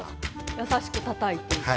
優しくたたいていく。